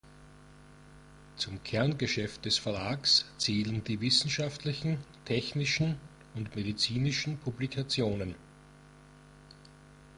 Zum Kerngeschäft des Verlags zählen die wissenschaftlichen, technischen und medizinischen Publikationen.